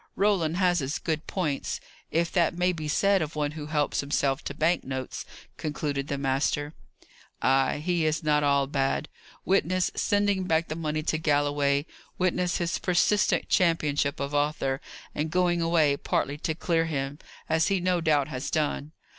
Roland has his good points if that may be said of one who helps himself to bank notes," concluded the master. "Ay, he is not all bad. Witness sending back the money to Galloway; witness his persistent championship of Arthur; and going away partly to clear him, as he no doubt has done!